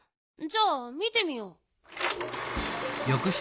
じゃあ見てみよう。